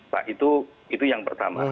pak itu yang pertama